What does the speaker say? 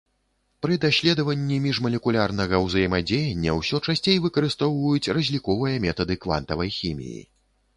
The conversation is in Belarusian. Пры даследаванні міжмалекулярнага ўзаемадзеяння ўсё часцей выкарыстоўваюць разліковыя метады квантавай хіміі.